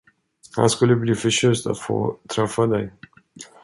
Han skulle bli förtjust att få träffa dig.